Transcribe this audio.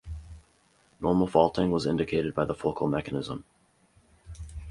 Normal faulting was indicated by the focal mechanism.